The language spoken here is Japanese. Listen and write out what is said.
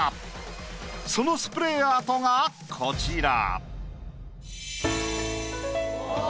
そのスプレーアートがこちら。